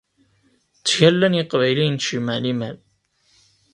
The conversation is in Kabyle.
Ttgallan yeqbayliyen s jmeɛ liman!